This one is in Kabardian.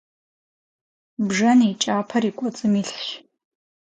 Бжэн и кӏапэр и кӏуэцӏым илъщ.